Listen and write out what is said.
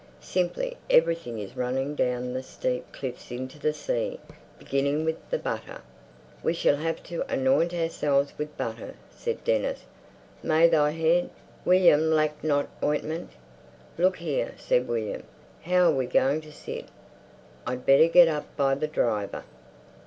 "Simply everything is running down the steep cliffs into the sea, beginning with the butter." "We shall have to anoint ourselves with butter," said Dennis. "May thy head, William, lack not ointment." "Look here," said William, "how are we going to sit? I'd better get up by the driver."